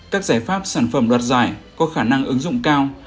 các giải pháp sản phẩm đoạt giải có khả năng ứng dụng cao